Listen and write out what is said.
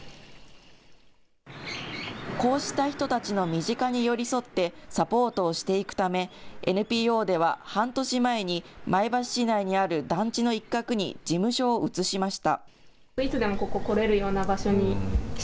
こうした人たちの身近に寄り添ってサポートをしていくためＮＰＯでは半年前に前橋市内にある団地の一角に事務所を移しました。